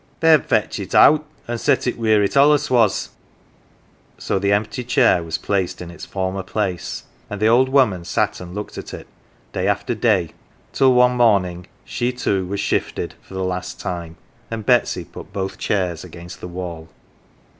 " Then fetch it out, an" 1 set it wheer it allus was." So the empty chair was placed in its former place, and the old woman sat and looked at it, day after day, till one morning she too was "shifted" for the last time, and Betsy p\it both chairs against the wall.